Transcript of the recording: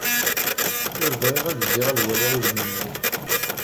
Ur bɣiɣ ad zziɣ ad waliɣ udem-nnek.